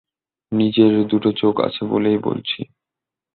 নিজের দুটো চোখ আছে বলেই বলছি।